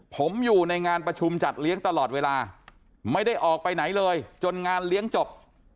ผมอยู่ในงานประชุมจัดเลี้ยงตลอดเวลาไม่ได้ออกไปไหนเลยจนงานเลี้ยงจบ